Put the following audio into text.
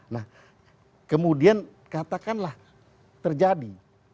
nah kemudian katakanlah terjadi